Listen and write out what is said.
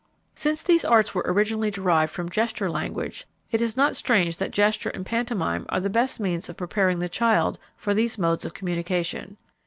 _ Since these arts were originally derived from gesture language, it is not strange that gesture and pantomime are the best means of preparing the child for these modes of communication.